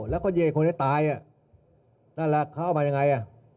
แล้วก็เยคนไว้ตายนั่นแหละเขาเอามาไหน